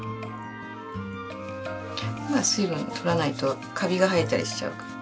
まあ水分取らないとカビが生えたりしちゃうから。